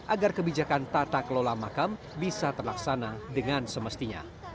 agar kebijakan tata kelola makam bisa terlaksana dengan semestinya